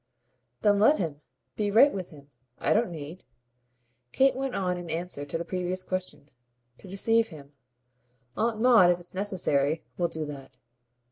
"Then let him. Be right with him. I don't need," Kate went on in answer to the previous question, "to deceive him. Aunt Maud, if it's necessary, will do that.